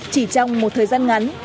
chỉ trong một thời gian ngắn